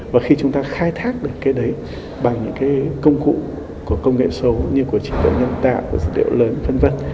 và khi chúng ta khai thác được cái đấy bằng những công cụ của công nghệ số như của trị tượng nhân tạo dữ liệu lớn v v